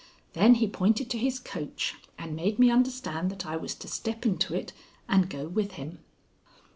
Then he pointed to his coach, and made me understand that I was to step into it and go with him.